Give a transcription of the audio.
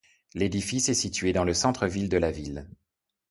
L'édifice est situé dans le centre-ville de la ville.